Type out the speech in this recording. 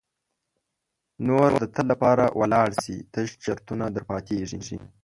نور د تل لپاره ولاړ سي تش چرتونه در پاتیږي.